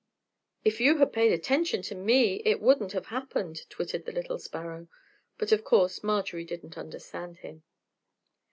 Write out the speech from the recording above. "If you had paid attention to me it wouldn't have happened," twittered the little sparrow. But of course Marjorie didn't understand him.